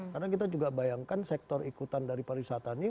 karena kita juga bayangkan sektor ikutan dari pariwisata ini